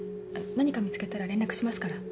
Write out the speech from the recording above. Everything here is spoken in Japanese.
何か見つけたら連絡しますから。